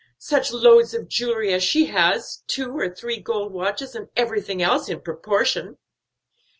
Such loads of jewelry as she has, two or three gold watches, and everything else in proportion."